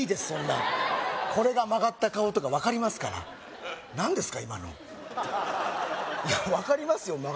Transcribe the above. そんなこれが曲がった顔とか分かりますから何ですか今の分かりますよ